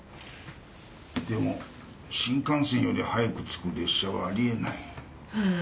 でも新幹線より早く着く列車はありえない。